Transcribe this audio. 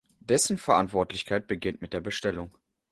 Dessen Verantwortlichkeit beginnt mit der Bestellung.